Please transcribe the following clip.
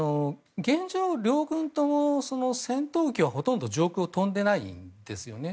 現状、両軍共戦闘機はほとんど上空飛んでいないんですよね。